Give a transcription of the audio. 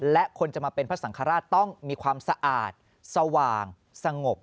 และคนจะมาเป็นพระสังฆราชต้องมีความสะอาดสว่างสงบ